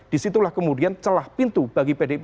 di situlah kemudian celah pintu bagi bdip